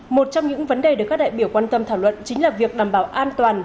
một trong những vấn đề được các đại biểu quan tâm thảo luận chính là việc đảm bảo an toàn